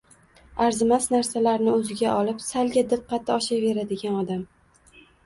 Arzimas narsalarni o‘ziga olib, salga diqqati oshaveradigan odam